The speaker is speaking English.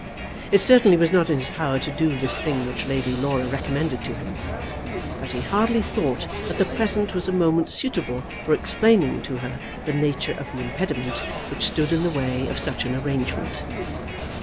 It certainly was not in his power to do this thing which Lady Laura recommended to him, but he hardly thought that the present was a moment suitable for explaining to her the nature of the impediment which stood in the way of such an arrangement.